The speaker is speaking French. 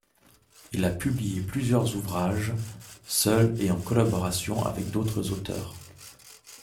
Il a publié plusieurs ouvrages, seul et en collaboration avec d'autres auteurs.